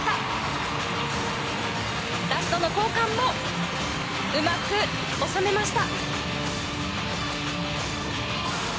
ラストの交換もうまく収めました。